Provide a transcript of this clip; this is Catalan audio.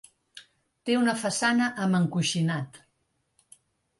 Té una façana amb encoixinat.